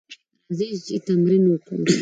راځئ چې تمرين وکړو.